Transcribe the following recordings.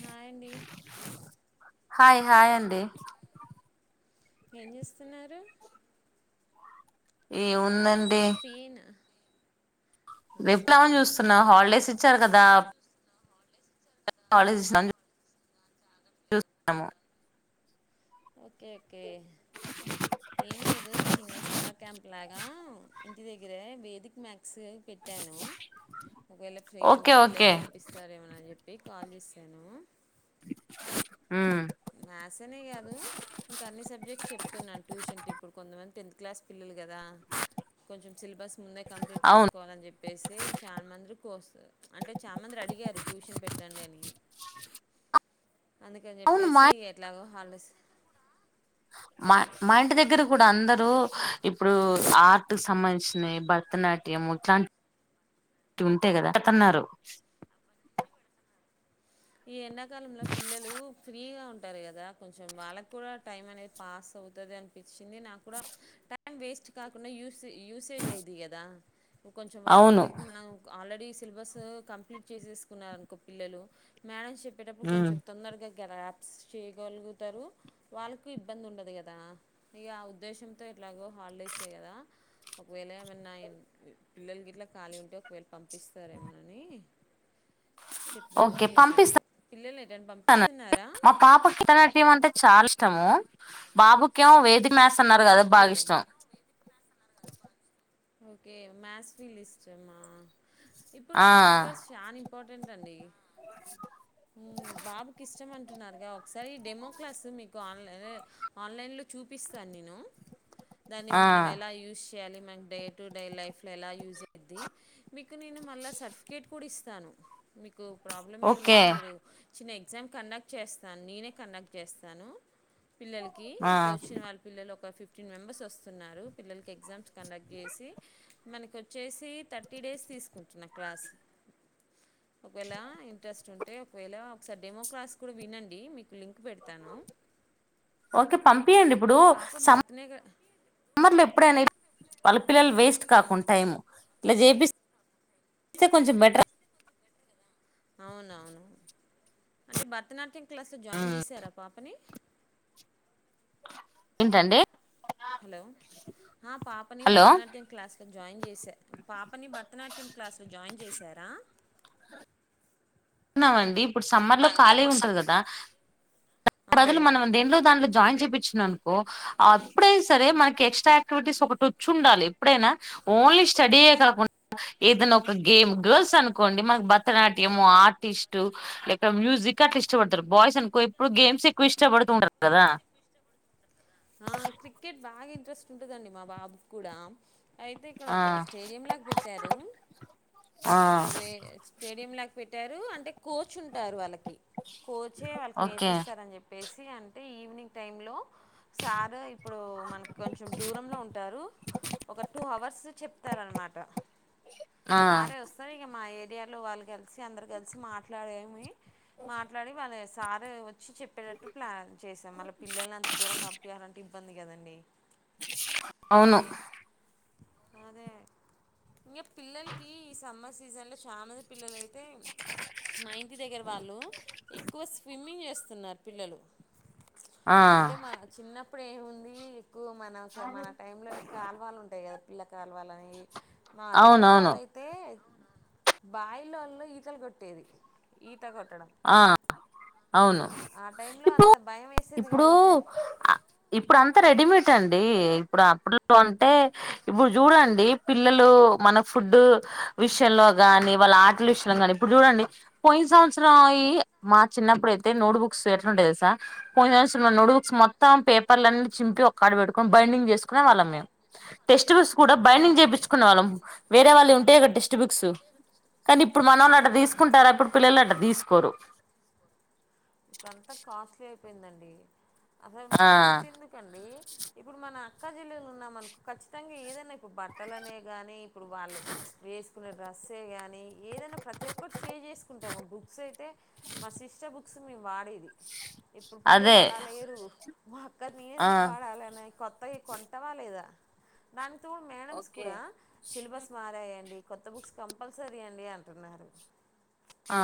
hi అండి hi hi అండి ఏం చేస్తున్నారు ఏ ం దండి ఫ్రీయేనా ఆహా రేపులామని చూస్తున్నా ఓకే హాలిడేస్ ఇచ్చారు కదా ద వాళజ ము ఓకే కే ఓకే ఏం లేదు చిన్న సమ్మర్ క్యాంప్ లాగా ఇంటి దగ్గరె వేదిక మ్యాక్ బక్స్ పెట్టాను ఒకవేళ ఫ్రీ ఓకే ఉంటే ఓకే పిల్లల్ని పంపిస్తారు ఏమ అని చెప్పి యి కాల్ చేశాను ఉమ్ మ్యాథ్స అనే కాదు ఇంకా అన్ని సబ్జెక్ట్స్ చెప్తున్నాను ట్యూషన్ ఇప్పుడు కొంతమంది టెన్త్ క్లాస్ పిల్లలు కదా కొంచెం సిలబస్ ముందే కంప్లీట్ అవును చేసుకోవాలని చెప్ అయితే చాలా మంది కోస్తారు అంటే చాలా మంది అడిగారు ట్యూషన్ పెట్టండి అని అందుకని అవును మా చెప్పేసి ఎట్లాగో హాలిడేస్ మా మా ఇంటి దగ్గర ఇప్పుడు అందరుూ చెప్పు ఇప్పుడు ఆర్ట్ సంబంధించినవి భరతనాట్యము ఇట్లాంటి ఉంటాయి కదా అన్నారు ఈ ఎండాకాలంలో పిల్లలు ఫ్రీగా ఉం టారూ కదా కొంచెం వాళ్ళకు కూడా టైం అనేది పాస్ అవుతుది అనిపిం చింది నాకు కూడా టై టైం వేస్ట్ కాకుండా యూ యూసేజ్ అయిది కదా కొంచెం వాళ్ అవును కుడి ఇప్ మనం ఆల్రెడిీ సిలబస్ కంప్లీట్ చేసేసుకున్నారుారనుకో పిల్లలు మేడం చెప్ వచ్చేటప్పుడు ఉమ్ కొంచెం తొందరగా ఇ యాప్స్ చేయగలుగుతారు వాళ్ళకు ఇబ్బంది ఉండదు కదా ఇక ఉద్దేశంతో ఎట్లాగో హాలిడేసే కదా ఒకవేళ ఏమన్నా పిల్లలకి ఇట్లా ఖాళీ ఉంటే ఒకవేళ పంపిస్తార ఏమనాని చెప్దామని చేసి పంపిస్తున్న మా పాపకి భరత నాట్యం అంటే చాలా ఇష్టము బాబు క్యో వేదిక్ మాస్ అన్నారు క అదా ఓకే బాగా ఇష్టం ఓకే మాస్లిష్టమా ఇప్పుడు ఆ షార్ట్ కట్ షాన్ ఇంపార్ర్టెట్ అండి హుమ్ బాబుకి ఇష్టమం టున్నారుగా ఒకసారి డెమో క్లాస్ మీకు ఆలై ఆన్లైన్ చూపిస్తాను నేను దాన్ని ఆ మనం ఎలా యూస్ కాళీ మైన్ డే టు డే లైఫ్లో ఎలా యూజ్ అవుది మీకు నేను మళ్ళీ సర్టిఫికేట్ కూడా ఇస్తాను కు ప్రాబ్లం ఏం ఓకే లేదు మీరు చిన్న ఎగ్జామ్ కండక్ట్ చేస్తాను నేనే కండక్ట్ చేస్తాను పిల్లలకి ఆ ఇప్పుడు వచ్చిన వాళ్ళ పిల్లలు ఒక ఫిఫ్ ఫిఫిటిన్ మింబర్స్ వస్తున్నారు పిల్లలకి ఎగ్జామ్స్ కండ సి మనకు వచ్చేసి థర్టీ డేస్ తీసుకుంటున్నా క్లాస్ ఒకవేళ ఇంట్రెస్ట్ ఉంట్ అంటే ఒకవేళ ఒకసారి డెమో క్లాస్ కూడా వినండి మీకు లింక్ కు పెడతాను పి ఎండి ఇప్పుడు ఇక పాప సమ్మ భరతనే క మ్మర్ లో ఎప్పుడైనా వాళ్ళ పిల్లలు వేస్ట్ కాకుండా టైము ఇలా చేపిస్తే కొంచెం బెటర్ అవునవును అంటే భరతనాట్యం క్లాస్లో జాయిన్ చేసారా పాపని ఏంటండి హలో పాపని హలో భరతనాట్యం క్లాస్ జాయిన్ చేసా పాపని భరతనాట్యం క్లాస్ లో జాయిన్ చేసి జరా ఉన్నావండి ఇప్పుడు సమ్మర్ లో ఖాళీ ఉంటది కదా ప్రజలు అవును మనం దేంట్లో దాంట్లో జాయిన్ చూపించిన అనుకో అప్పుడైనా సరే మనకి ఎక్స్ట్రా యాక్టివిటీస్ ఒకటి వచ్చుండాలి ఎప్పుడైనా ఓన్లీ స్టడీ అయ్యే కాకుండా ఏదైనా ఒక గేమ్ గర్ల్స్ అనుకోండి మనకి భరతనాట్యం ఆ ర్టిస్టు లేక మ్యూజిక్ అట్లా ఇష్టపడతారు బాయ్స్ అనుకో ఇప్పుడు గేమ్స్ ఎక్కువ ఇష్టపడుతుంటారు కదా ఆ క్రికెట్ బాగా ఇంట్రెస్ట్ ఉంటదండి మా బాబు కూడా అయితే ఇక్కడ ఆ ఒక స్టేడియం లాగా పెట్టారు ఆ ఒకే స్టేడియం లాగా పెట్టారు అంటే కోచ్ ఉంటారు వాళ్ళకి కోచే వాళ్ళకి ఓకే నేర్పిస్తారని చెప్పేసి అంటే ఈవినింగ్ టైమ్ లో సారు ఇప్పుడు మనకు కొంచెం దూరంలో ఉంటారు ఒక టూ అవర్స్ చెప్తారు అనమాట ఆ సారే వస్తారు ఇక మా ఏరి ఇండియా లో వాళ్ళు కలిసి అందరు కలిసి మాట్లాడేమి మాట్లాడి వాళ్ళేస్త సార్ వచ్చి చెప్పేటట్టు ప్లాన్ చేసా మళీ పిల్లల్ని అంత దూరం పామ్ యాలంటి ఇబ్బంది కదండి అవును అదే ఇంకా పిల్లలకి ఈ సమ్మర్ సీజన్ లో చానామంది పిల్లలయితే తే మా ఇంటి దగ్గర వాళ్ళు ఎక్కువ స్విమ్మింగ్ చేస్తు స్తున్నారు పిల్లలు ఆ అంటే మ చిన్న ఇప్పుడు ఏముంది ఎక్కువ మనం మన టై లో ఎకు కలవాళ్లు ఉంటాయి కదా పిల్లకాలు వాళ్ళని మా డాడీ అవునవును వాళ్ళయితే బాయిలోళ్ళు ఈతలు కొట్టేది ఈ త కొట్టడం ఆ అవును ఆ టైంలో ఇప్పుడు అంత భయం వేసేది ఇప్పుడు కాదు ఈ టైం ఇప్పుడు అ అంత రెడీమేట్ అండి ఇప్పుడు అప్పుట్లో అంటే ఇప్పుడు చూడండి పిల్లలు మన ఫుడ్ విషయంలో గాని వాళ్ళ ఆటల విషయంలో ని ఇప్పుడు చూడండి పోయిన సంవత్సరం అయి మా చిన్నప్పుడయితే నోట్ బుక్స్ ఎట్లుండేవి తెలుసా కొంచె [unintelligible] నోట్ బుక్స్ మొత్తం పేపర్ల అన్ని చింపి ఒక్కడా పెట్టుకుని బైండింగ్ చేసుకునే వాళ్ళం మేము టెస్ట్ బుస్ కూడా బైండింగ్ అవును చేపిచ్చుకునే వాళ్ళం వేరేవాళ్ళవి ఉంటే కదా టెస్ట్ బుక్స్ కానీ ఇప్పుడు మన వాళ్ళు అ అవును తీసుకుంటారా ఇ ప్పుడు పిల్లలు అట తీసుకు పోరు ఇపేయిందండి అసలు ఆ అంతెందుకండి ఇప్పుడు మన అక్కా చెల్లెళ్లు ఉన్నాం అనుకో ఖచ్చితంగా ఏదైన్నా ఇప్పుడు బట్టలనే కానీ ఇప్పుడు వాళ్ళు వేసుకునే డ్రస్సే కానీ ఏదైనా ప్రతి ఒక్కరు షేర్ చేసుకుంట తమ బుక్స్ అయితే మా సిస్ట్ బు క్స్ మేము వాడేది ఇప్పుడు పిల్లలు అదే అలా లేరు మా అక్కది నేను ఆ ఎందుకు వాడాలిని కొత్త అత్తయ్య కొంటవ లేదా దాని మేడమ్స్ ఓకే కూడా సిలబస్ మారాయండి కొత్త బుక్స్ కంపల్సరీ అండి అంటున్నారు ఆ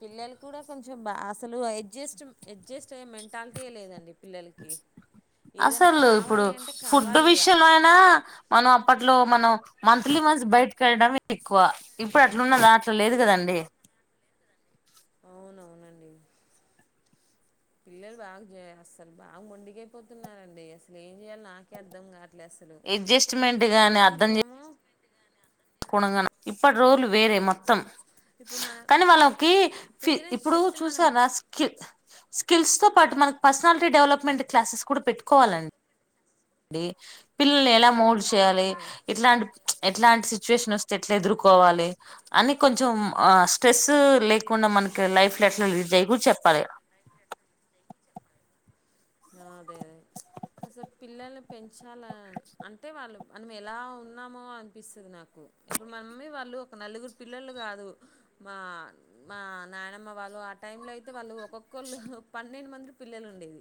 పిల్లలు కూడా కొంచెం బ అసలు అడ్జస్ట్ అడ్జస్ట్ అయ్యే మెంటాలిటీయే లేదండి పిల్లలకి ఏదైనా అసలు ఇప్పుడు కావాలి అంటే ఫుడ్ కావాలి ఇగ విషయంలో అయినా మనం అప్పట్లో మనం మంత్లీ మంత్స్ బయటకి వెళ్ళడం ఎక్కువ ఇప్పుడు అట్లున్నదా అట్లా లేదు కదండి అవునవునండి పిల్లలు బాగా చేయ అసలు బాగా మొండిగ అయిపోతున్నారండి అసలు ఏం చేయాలి నాకే అర్థం కా అస్సలు అడ్జస్ట్మెంట్ కొడుతుంటానేమో కొనుంగ ఇప్పటి రోజులు వేరే మొత్తం ఇప్పుడు మన కానీ వాళ్ళకి ఫి పేరెంట్స్ ఇప్పుడు చెప్తే మనం చూసార స్కిల్ స్కిల్స్ తో పాటు మనకు పర్సనాలిటీ డెవలప్మెంట్ క్లాసెస్ కూడా పెట్టుకోవాల డి పిల్లల ఎలా మోల్డ్ చేయాలి ఓకే ఇట్లాంటి ఎట్లాంటి సిచ్యువేషన్ వస్తే ఎట్లా ఎదుర్కోవాలి అని కొంచెం ఆ స్ట్రెస్ లేకుండా మనకి లైఫ్ లో ఎట్లా లీడ్ అయ్ కూడా చెప్పాలి అదే అదే అసలు పిల్లల్ని పెన్ చాలా అంటే వాళ్ళు మనం ఎలా ఉన్నామో అనిపిస్తుంది నాకు ఇప్పుడు మమ్మీ వాళ్ళు ఒక నలుగురు పిల్లలు కాదు మా మా నానమ్మ వాళ్ళు ఆ టైంలో అయితే వాళ్ళు ఒక్కొక్క కొల్ పన్నెండు మంది పిల్లలు ఉండేది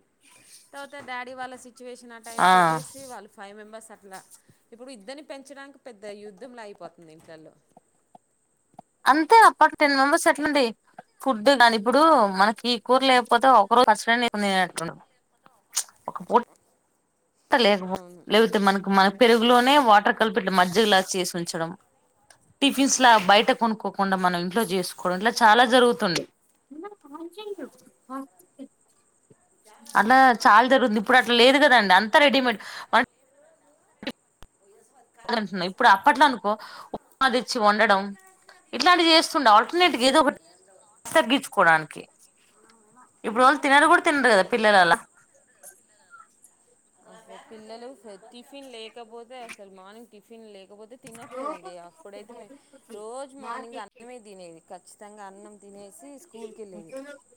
తర్వాత డాడి వాళ్ళ సి సిట్యుయేషన్ ఆ టైంకి వచ్చేసి వాళ్ళు ఫైవ్ మెంబర్స్ అట్లా ఇప్పుడు ఇద్దరిని పెంచడానికి పెద్ద యుద్ధం లా అయిపోతుంది ఇంట్లో అంతే అప్పటి టెన్ మెంబెర్స్ ఎట్లండి ఫుడ్ కాని ఇప్పుడు మనకి ఈ కూరు లేకపోతే ఒకరు ఫస్ ఒక లేకపో అవును లేకపోతే మనకి మన పెరుగులోనే వాటర్ పెట్టి మ్జిగలా చేసి ఉంచడం టిఫిన్స్ లా బయట కొనుక్కకుండా మనం ఇంట్లో చేసుకోవడం ఇట్లా చాలా జరుగుతుంది అలా చాలా జరుగుంది ఇప్పుడు అట్లా లేదు కదండి అంతా రెడీమేడ్ ది ఇచ్చి వండడం ఇట్లాంటివి చేస్తుండే ఆల్టర్నేట్ ఏదో ఒకటి తగ్గించుకోవడానికి ఇప్పుడు వాళ్ళు తినరు కూడా తినరు కదా పిల్లలలా అసలు పిల్లలు టిఫిన్ లేకపోతే అసలు మార్నింగ్ టిఫిన్ లేక కాకపోతే తినట్లేదండి అప్పుడైతే రోజు మార్నింగ్ అన్నమే తినేది ఖచ్చితంగా అన్నం తినేసి స్కూల్కి వెళ్ళేది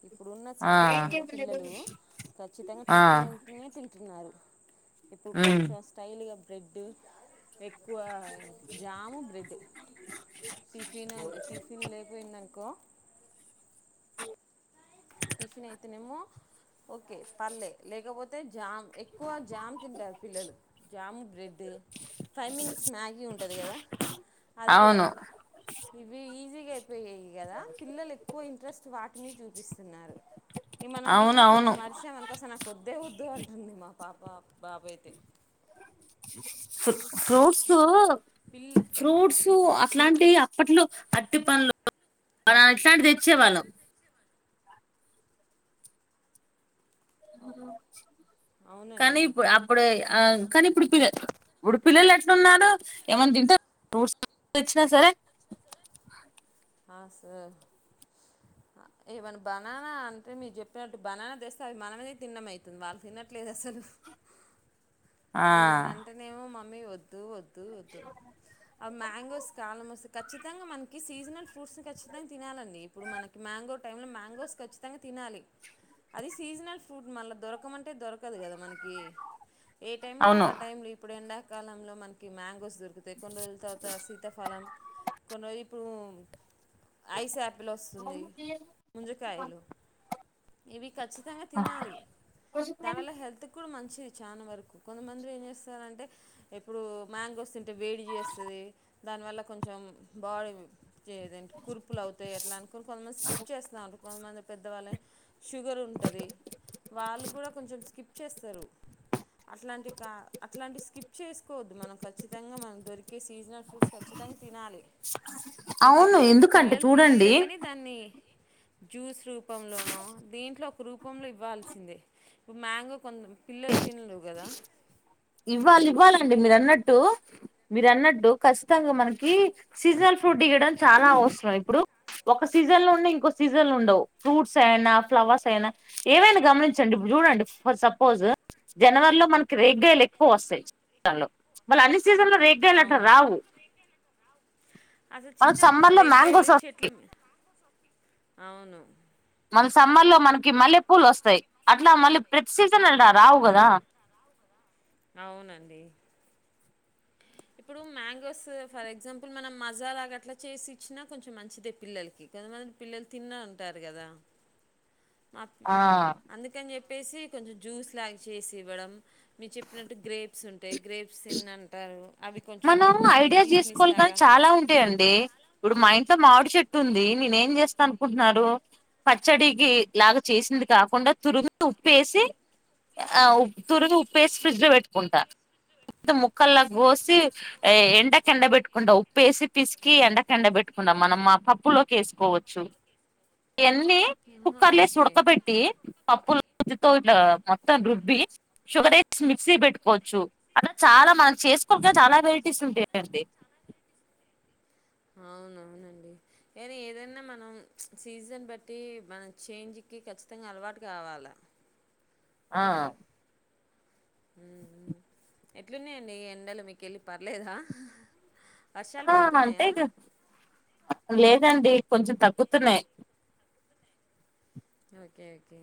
ఇప్పుడున్న ఆ సిచ్యువేషన్ లో పిల్లలు ఖచ్చితంగా ఆ టిఫిన్ ఉంటేనే తింట అన్నారు ఇప్పుడు ఉమ్ కొంచెం స్టైల్గా బ్రెడ్ ఎక్కువ జాము బ్రెడ్ టిఫిన్ టిఫిన్ లేపోయిందనుకో టిఫిన్ అయితేనేమో ఓకే పర్లే లేకపోతే జామ్ ఎక్ ఎక్కువ జామ్ తింటారు పిల్లలు jam bread five minutes Maggi ఉంటుంది కదా అది కూడా అవును ఇవి జిగే పోయాయి కదా పిల్లలు ఎక్కువ ఇంట్రెస్ట్ వాటిని చూపిస్త ఈ మనం అవును ఇట్లా అవును కొంచెం ఆరిచామనకో అసలు నాకు వద్దే వద్దు అంటుంది మా ఒక పాప బాబు అయితే ఫ ఫ్రూట్స్ పిల్ల ఫ్రూట్స్ అట్లాంటివి అప్పట్లో అట్టి పనులు వా ఇట్లాంటి తెచ్చే వాళ్ళం అవునండి కానీ ఇప్పుడ అప్పుడు ఆ కానీ ఇప్పుడు పిల్ల ఇప్పుడు పిల్లలు ఎట్లున్నారు ఏమన్నా తింటే ఫ్రూట్స్ తెచ్చినా సరే అ సార్ ఏమనా బనానా అంటే మీరు చెప్పినట్టు బనానా తెస్తే అవి మనమే తిన్నమ అవుతుంది వాళ్ళు తినట్లేదు అసలు ఆ ఏమన అంటేనేమో మా మీ వద్దు ఓ తు వదు అవి మ్యాంగోస్ కాలం వస్తుంది ఖచ్చితంగా మనకి సీజనల్ ఫ్రూట్స్ని ఖచ్చితంగా తినాలండి ఇప్పుడు మనకి మ్యాంగో టైంలో మ్యాంగోస్ ఖచ్చితంగా తినాలి అది సీజనల్ ఫ్రూట్ మళ్ళీ దొరకమంటే దొరకదు కదా మనకి ఏ టైంలో అవును ఆ టైలు ఇప్పుడు ఎండా కాలంలో మనకి మ్యాంగోస్ దొరుకుతాయి కొని రోజుల తర్వాత శీతఫలం కొన్న ఇప్పుడు ఐస్ యాపిల్ వస్తుంది ముంజకాయలు ఇవి ఖచ్చితంగా తినాలి దాని వల్ల హెల్త్ కూడా మంచిది చాన వరుకు కొంతమందిలు ఏం చేస్తారంటే ఎప్పుడు మ్యాంగోస్ తింటే వేడి చేస్తుంది దానివల్ల కొంచెం బాడీ చేదేంటి కుర్పులు అవుతాయి అట్లా అనుకుని కొంతమంది స్కిప్ చేస్తారు కొంతమంది పెద్దవాళ్ళని షుగర్ ఉంటుంది వాళ్ళు కూడా కొంచెం స్కిప్ చేస్తారు అట్లాంటి కా అట్లాంటి స్కిప్ చేసుకోవద్దు మనం ఖచ్చితంగా మనం దొరికే సీజనల్ ఫ్రూట్స్ ఖచ్చితంగా తినాలి మీరు అవును చెప్పినట్టు ఎందుకంటే పిల్లలు తినాల్లే చూడండి గాని దాన్ని జ్యూస్ రూపంలోనో దేంట్లో ఒక రూపంలో ఇవ్వాల్సిందే ఇ మ్యాంగో కొంత పిల్లలు తినరు కదా ఇవ్వాలి ఇవ్వాల అండి మీరు అన్నట్టు మీరు అన్నట్టు ఖచ్చితంగా మనకి సీజనల్ ఫ్రూట్ ఇయ్యడం చాలా అవసరం ఇప్పుడు ఒక సీజన్ లో ఉండే ఇంకోక సీజన్ లో ఉండవు ఫ్రూట్స్ అయినా ఫ్లవర్స్ అయినా ఏవైనా గమనించండి ఇప్పుడు చూడండి ఫర్ సపోజ్ జనవరిలో మనకి రేగ్గాయలు ఎక్కువొస్తాయ్ లొ మల్లి అ సీజన్ లో రేగ్గాలట్ట అవును రావు అసలు మనకు చిన్నప్పుడు సమ్మర్ లో రెగ్గాయలు మ్యాంగోస్ చెట్లు వస్తాయి మీ- అవును మన సమ్మర్ లో మనకి మల్లె పూలొస్తాయ్ అట్లా మళ్ళీ ప్రతి సీసన్ ఇలా రావు కదా అవునండి ఇప్పుడు మ్యాంగోస్ ఫర్ ఎగ్జాంపుల్ మనం మజాలాగా అట్లా చేసి ఇచ్చిన కొంచెం మంచిదే పిల్లలకి కొంతమంది పిల్లలు తిన్న ఉంటారు కదా మా ఆ అందుకని చెప్పి చెేసి కొంచెం జ్యూస్ లా చేసి ఇవ్వడం మీరు చెప్పినట్టు గ్రేప్స్ ఉంటా అంటే గ్రేప్స్ తిన్నంటారు మనం ఐడియాస్ చేసుకోవాలి కానీ చాలా ఉంటాయంండి ఇప్పుడు మా ఇంట్లో మామిడు చెట్టు ఉంది నేనే ఏం జేస్తాను అనుకుంటున్నారు పచ్చడికి లాగ చేసింది కాకుండా తురిమి ఉప్పేసి ఆ ఉ తురిమి ఉప్పుేసి ఫ్రిడ్జ్ లో పెట్టుకుంటాను మొత్తం ముక్కల్లా కోసి ఎండకెండ పెట్కుంటాం ఉప్పు వేసి పిసికి ఎండకెండ పెట్టుకుంటాం మనం మా పప్పులోకి వేసుకోవచ్చు ఎన్ని ఆహా, కుక్కర్లో ఏసి ఓకే ఉడకబెట్టి పప్పులు తో మొత్తం రుబ్బి షుగర్ మిక్సీ పెట్టుకోవచ్చు అట్లా చాలా మనం చేసుకోక చాలా ంటుంటాయండి అవునవునండి కానీ ఏదైనా మనం సీజన్ బట్టి మన చేంజ్కి ఖచ్చితంగా అలవాటు కావాలా ఆ ఉ ఎట్లున్నాయండి ఈ ఎండలు మీకెళ్ళి పర్లేదా వర్షాలు ఆ అంతే పడుతున్నాయా ఇగ లే దండి కొంచెం తగ్గుతున్నాయి ఓకే ఓకే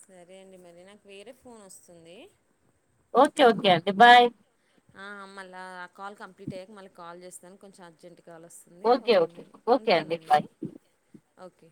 సరే అండి మరి నాకు వేరే ఫోన్ వస్తుంది ఓకే ఓకే అండి బాయ్ ఆ మళ్ళ ఆ కాల్ కంప్లీట్ అయ్యాక మళ్ళీ కాల్ జేస్తాను కొంచెం అర్జెంట్ కాల్ వస్తుంది ఓకే మరి ఓకే అండి బాయ్ ఉంటానండి ఓకే